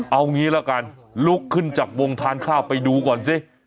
เอางี้ละกันลุกขึ้นจากวงทานข้าวไปดูก่อนสิ